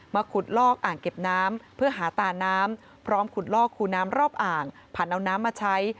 ขุดลอกอ่างเก็บน้ำเพื่อหาตาน้ำพร้อมขุดลอกคูน้ำรอบอ่างผ่านเอาน้ำมาใช้